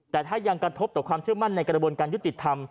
แต่ถ้ายังกระทบต่อความเชื่อมั่นในกระบวนการยุติธรรม